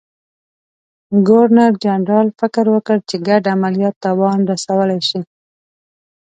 ګورنرجنرال فکر وکړ چې ګډ عملیات تاوان رسولای شي.